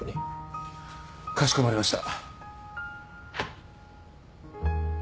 かしこまりました。